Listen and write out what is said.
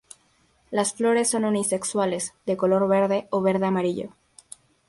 Las flores son unisexuales, de color verde o verde-amarillo.